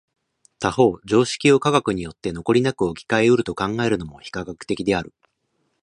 他方常識を科学によって残りなく置き換え得ると考えるのも非科学的である。